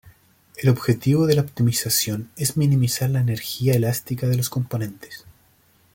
El objetivo de la optimización es minimizar la energía elástica de los componentes.